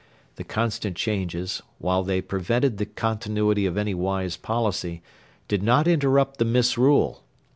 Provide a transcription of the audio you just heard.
The constant changes, while they prevented the continuity of any wise policy, did not interrupt the misrule.